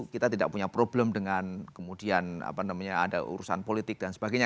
kita tidak punya problem dengan kemudian ada urusan politik dan sebagainya